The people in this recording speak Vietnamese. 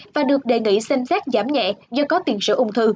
và được đề nghị xem xét giảm nhẹ do có tiền sử ung thư